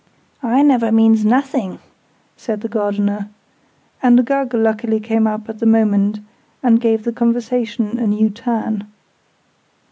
"I never means nothing," said the Gardener: and Uggug luckily came up at the moment, and gave the conversation a new turn.